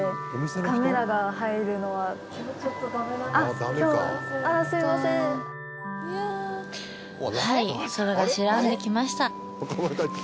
はい。